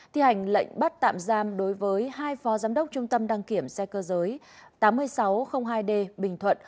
thi hành lệnh bắt tạm giam đối với hai phó giám đốc trung tâm đăng kiểm xe cơ giới tám mươi sáu hai d bình thuận